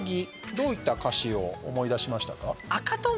どういった歌詞を思い出しましたか？